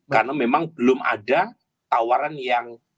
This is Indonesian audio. karena memang belum ada tawaran yang jelas